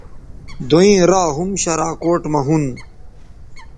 دوئیں را ھُم شراکوٹ مہ ھُون